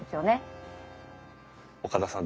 岡田さん